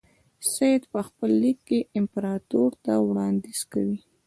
سید په خپل لیک کې امپراطور ته وړاندیز کوي.